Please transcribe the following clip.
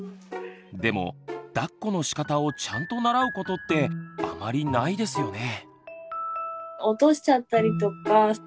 でもだっこのしかたをちゃんと習うことってあまりないですよね。